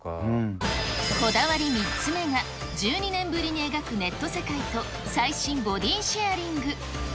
こだわり３つ目が、１２年ぶりに描くネット世界と最新ボディシェアリング。